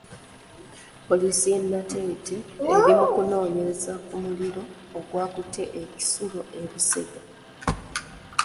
Poliisi y'e Nateete eri mu kunoonyereza ku muliro ogwakutte e kisulo e Busega.